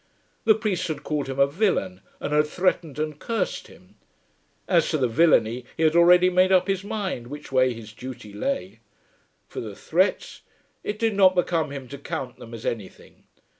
The priest had called him a villain and had threatened and cursed him! As to the villainy he had already made up his mind which way his duty lay. For the threats it did not become him to count them as anything.